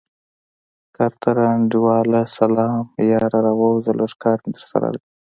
کارتره انډيواله سلام يره راووځه لږ کار مې درسره دی.